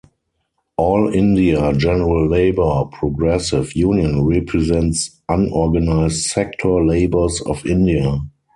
All India General Labour Progressive Union represents Un-Organised Sector Labours of India.